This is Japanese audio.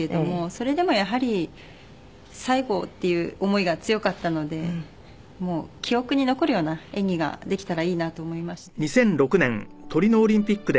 それでもやはり最後っていう思いが強かったので記憶に残るような演技ができたらいいなと思いまして。